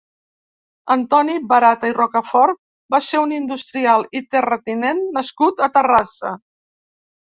Antoni Barata i Rocafort va ser un industrial i terratinent nascut a Terrassa.